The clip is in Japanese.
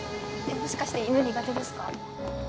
もしかして犬苦手ですか？